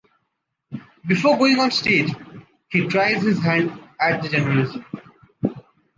Before going on stage, he tried his hand at journalism.